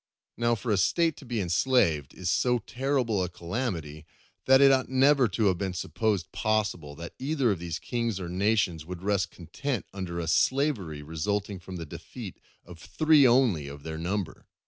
Now, for a State to be enslaved is so terrible a calamity that it ought never to have been supposed possible that either of these kings or nations would rest content under a slavery resulting from the defeat of three only of their number.